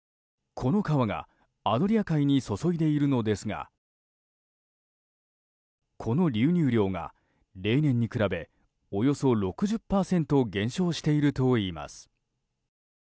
この川がアドリア海に注いでいるのですがこの流入量が例年に比べおよそ６０％減少しているといいます。